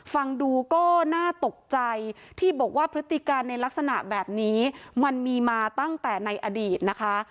ฟังดูก็น่าตกใจที่บอกว่าพฤติการในลักษณะแบบนี้มันมีมาตั้งแต่ในอดีตนะคะ